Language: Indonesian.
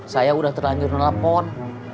saya udah terlanjur nelfon